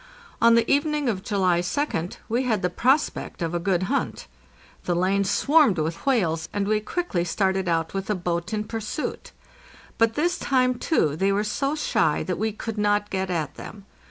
On the evening of July 2d we had the prospect of a good hunt. The lane swarmed with whales, and we quickly started out with the boat in pursuit. But this time, too, they were so shy that we could not get at them.